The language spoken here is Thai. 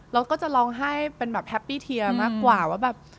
เราก็จะร้องไห้เป็นแบบแฮปปี้เทียมากกว่าว่าแบบ